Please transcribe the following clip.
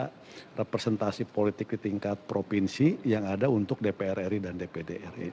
ada representasi politik di tingkat provinsi yang ada untuk dpr ri dan dpd ri